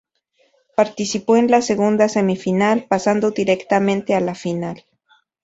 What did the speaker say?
Participó en la segunda semifinal pasando directamente a la final.